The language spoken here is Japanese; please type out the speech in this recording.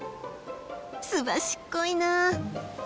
すばしっこいなあ！